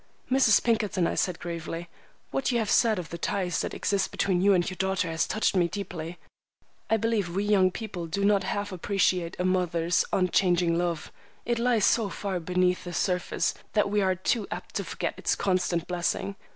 "Mrs. Pinkerton," I said gravely, "what you have said of the ties that exist between you and your daughter has touched me deeply. I believe we young people do not half appreciate a mother's unchanging love. It lies so far beneath the surface that we are too apt to forget its constant blessing.